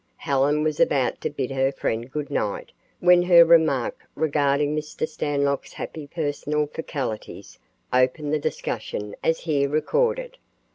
Helen was about to bid her friend good night when her remark regarding Mr. Stanlock's happy personal faculties opened the discussion as here recorded.